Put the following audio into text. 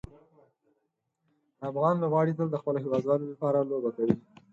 افغان لوبغاړي تل د خپلو هیوادوالو لپاره لوبه کوي.